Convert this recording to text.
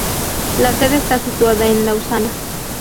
La sede está situada en Lausana.